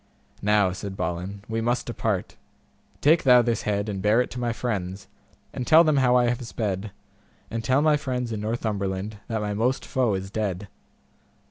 Now, said Balin, we must depart, take thou this head and bear it to my friends, and tell them how I have sped, and tell my friends in Northumberland that my most foe is dead.